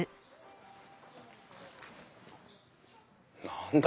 何だ？